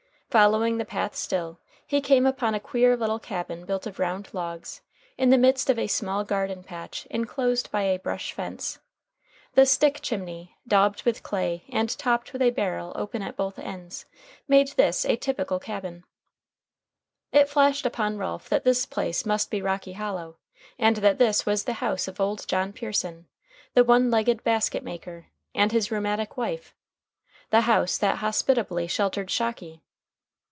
Following the path still, he came upon a queer little cabin built of round logs, in the midst of a small garden patch inclosed by a brush fence. The stick chimney, daubed with clay and topped with a barrel open at both ends, made this a typical cabin. [Illustration: CAPTAIN PEARSON] It flashed upon Ralph that this place must be Rocky Hollow, and that this was the house of old John Pearson, the one legged basket maker, and his rheumatic wife the house that hospitably sheltered Shocky.